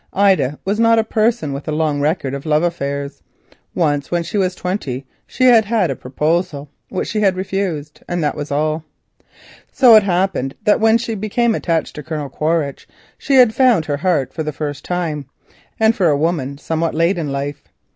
Ida was not a person with a long record of love affairs. Once, when she was twenty, she had received a proposal which she had refused, and that was all. So it happened that when she became attached to Colonel Quaritch she had found her heart for the first time, and for a woman, somewhat late in life.